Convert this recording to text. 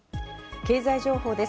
経済情報です。